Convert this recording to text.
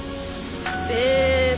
せの！